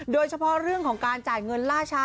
โดยเฉพาะเรื่องของการจ่ายเงินล่าช้า